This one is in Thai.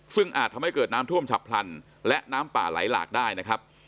ซึ่งอาจทำให้เกิดน้ำท่วมฉับพลันและน้ำป่าไหลหลากได้นะครับ